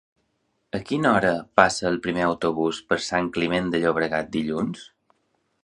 A quina hora passa el primer autobús per Sant Climent de Llobregat dilluns?